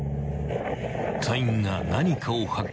［隊員が何かを発見］